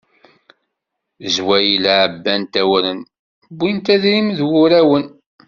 Zwayel ɛebbant awren, wwint adrim d wurawen.